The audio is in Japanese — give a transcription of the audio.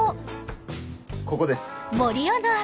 ここです。